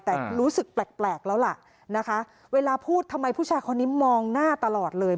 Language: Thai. แต่รู้สึกแปลกแล้วล่ะนะคะเวลาพูดทำไมผู้ชายคนนี้มองหน้าตลอดเลย